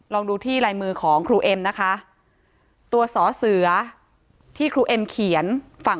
ส่วนขวาจอเป็นลายมือของครูเอ็มซึ่งไม่เหมือนกัน